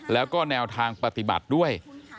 แล้วก็แนวทางปฏิบัติด้วย